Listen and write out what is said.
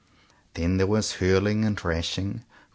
Then there was hurling and rashing.